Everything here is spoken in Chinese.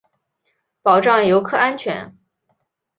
保障游客安全